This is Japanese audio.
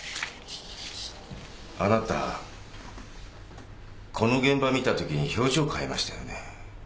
あなたこの現場見たときに表情変えましたよね？